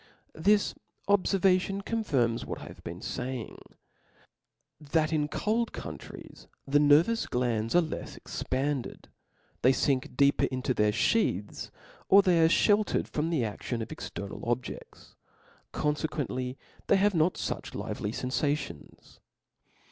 This obicrvation confirms what J have bcei^ , faying, that in cold countries the nervous glands are left expanded : they fink deeper into their Iheaths, or they are flieltered from the adion of external obje6ls : confcquently they have not fuch lively fcnfations.